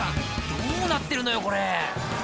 「どうなってるのよこれ！」